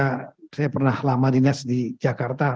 saya kira saya pernah lama dinas di jakarta